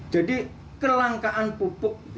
jadi kelangkaan pupuk